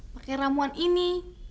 pakai ramuan ini